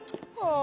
あ。